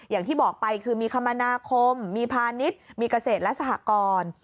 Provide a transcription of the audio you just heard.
อย่างที่บอกไปคือมีคมนาคมมีพาณิชย์มีเกษตรและสหกร